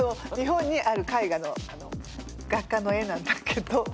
日本にある絵画の画家の絵なんだけど。